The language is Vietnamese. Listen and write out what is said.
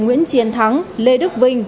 nguyễn chiến thắng lê đức vinh